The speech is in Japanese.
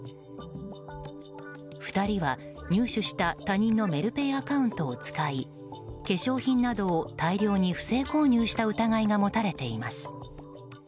２人は入手した他人のメルペイアカウントを使い化粧品などを大量に不正購入した疑いが持たれています。